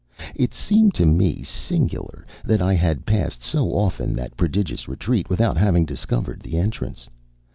It seemed to me singular that I had passed so often that prodigious retreat without having discovered the entrance.